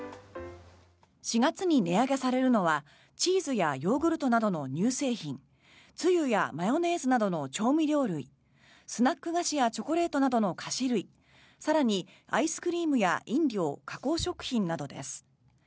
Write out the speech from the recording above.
４月に値上げされるのはチーズやヨーグルトなどの乳製品つゆやマヨネーズなどの調味料類スナック菓子やチョコレートなどの菓子類更に、アイスクリームや飲料加工食品などです。